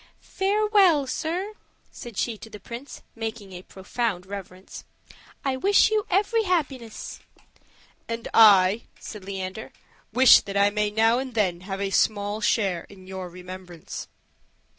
"Farewell, sir," said she to the prince, making a profound reverence; "I wish you every happiness." "And I," said Leander, "wish that I may now and then have a small share in your remembrance."